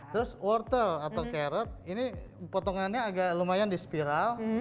terus wortel atau carrot ini potongannya agak lumayan di spiral